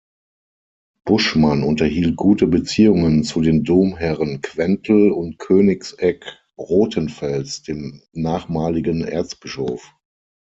Buschmann unterhielt gute Beziehungen zu den Domherren Quentel und Königsegg-Rothenfels, dem nachmaligen Erzbischof.